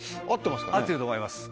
合ってると思います